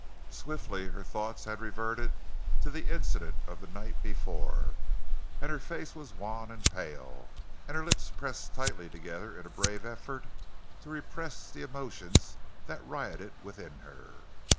Swiftly her thoughts had reverted to the incident of the night before, and her face was wan and pale, and her lips pressed tightly together in a brave effort to repress the emotions that rioted within her.